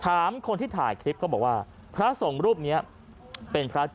ถามคนที่ถ่ายคลิปเขาบอกว่า